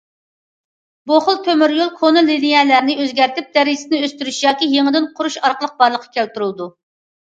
بۇ خىل تۆمۈريول كونا لىنىيەلەرنى ئۆزگەرتىپ دەرىجىسىنى ئۆستۈرۈش ياكى يېڭىدىن قۇرۇش ئارقىلىق بارلىققا كەلتۈرۈلىدۇ.